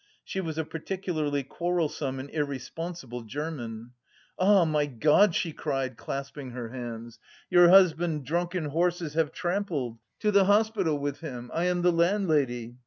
She was a particularly quarrelsome and irresponsible German. "Ah, my God!" she cried, clasping her hands, "your husband drunken horses have trampled! To the hospital with him! I am the landlady!"